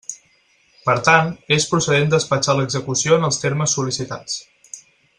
Per tant, és procedent despatxar l'execució en els termes sol·licitats.